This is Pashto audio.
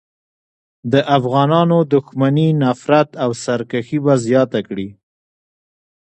د افغانانو دښمني، نفرت او سرکښي به زیاته کړي.